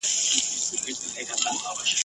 دغه واک لاندي کړی